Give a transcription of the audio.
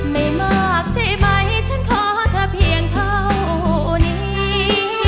ไม่มากใช่ไหมฉันขอเธอเพียงเท่านี้